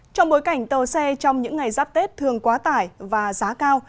trong bối cảnh tàu xe trong những ngày giáp tết thường quá tải và giá cao